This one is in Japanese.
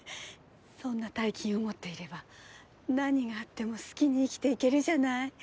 そんな大金を持っていれば何があっても好きに生きていけるじゃない。